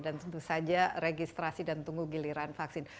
dan tentu saja registrasi dan tunggu giliran vaksin